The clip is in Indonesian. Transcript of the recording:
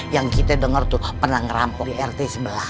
yang kita denger tuh pernah ngerampok di rt sebelah